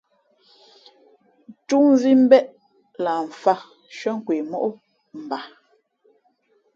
Tú mvī mbéʼ na mfāt nshʉ́ά kwe móʼ paa.